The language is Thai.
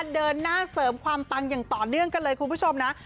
เดินหน้าเสริมความปังอย่างต่อเนื่องกันเลยคุณผู้ชมนะ